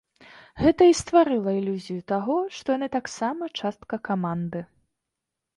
Гэта і стварыла ілюзію таго, што яны таксама частка каманды.